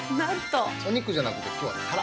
お肉じゃなくて今日はタラ。